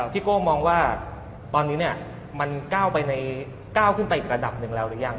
โก้มองว่าตอนนี้มันก้าวขึ้นไปอีกระดับหนึ่งแล้วหรือยัง